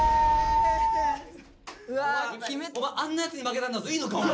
お前あんなやつに負けたんだぞいいのかお前。